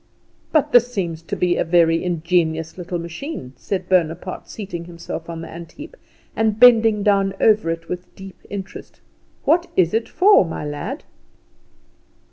"But this seems to be a very ingenious little machine," said Bonaparte, seating himself on the antheap, and bending down over it with deep interest. "What is it for, my lad?"